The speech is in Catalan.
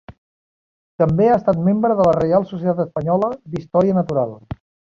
També ha estat membre de la Reial Societat Espanyola d'Història Natural.